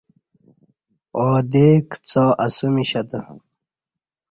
عادے کڅا اسمیشہ تہ